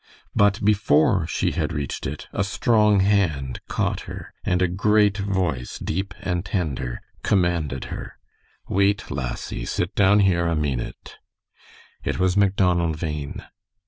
But before she had reached it a strong hand caught her and a great voice, deep and tender, commanded her: "Wait, lassie, sit down here a meenute." It was Macdonald Bhain.